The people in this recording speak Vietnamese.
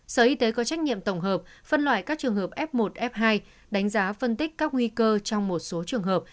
sở y tế có trách nhiệm tổng hợp phân loại các trường hợp f một f hai đánh giá phân tích các nguy cơ trong một số trường hợp